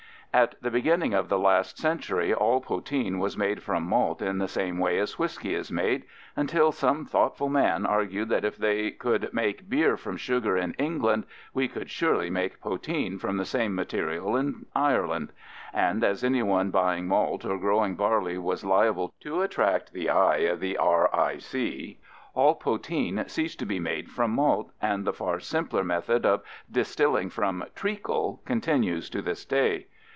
At the beginning of the last century all poteen was made from malt in the same way as whisky is made, until some thoughtful man argued that if they could make beer from sugar in England, we could surely make poteen from the same material in Ireland; and as any one buying malt or growing barley was liable to attract the eye of the R.I.C., all poteen ceased to be made from malt, and the far simpler method of distilling from "treacle" continues to this day.